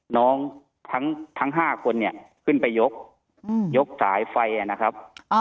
น้องทั้ง๕คนเนี่ยขึ้นไปยกยกสายไฟนะครับ